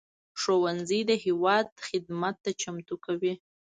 ښوونځی د هېواد خدمت ته چمتو کوي